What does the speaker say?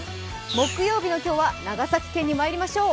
木曜日の今日は長崎県にまいりましょう。